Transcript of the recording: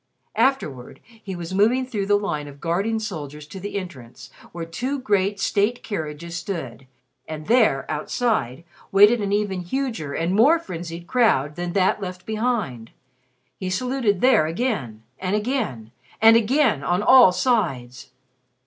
Afterward, he was moving through the line of guarding soldiers to the entrance, where two great state carriages stood; and there, outside, waited even a huger and more frenzied crowd than that left behind. He saluted there again, and again, and again, on all sides.